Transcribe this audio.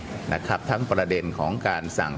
เค้าก็จะต้องการคุยกับท่านถึงทั้งประเด็นของการสั่ง